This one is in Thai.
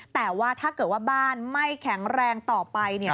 แต่ว่าถ้าเกิดว่าบ้านไม่แข็งแรงต่อไป